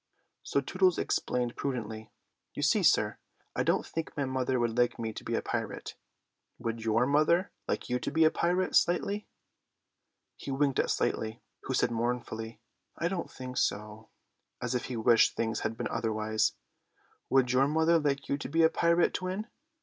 So Tootles explained prudently, "You see, sir, I don't think my mother would like me to be a pirate. Would your mother like you to be a pirate, Slightly?" He winked at Slightly, who said mournfully, "I don't think so," as if he wished things had been otherwise. "Would your mother like you to be a pirate, Twin?"